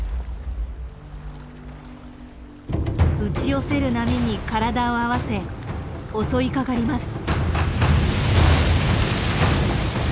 打ち寄せる波に体を合わせ襲いかかります。